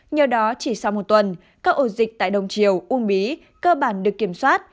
nhờ đó chỉ sau một tuần các ổ dịch tại đồng triều uông bí cơ bản được kiểm soát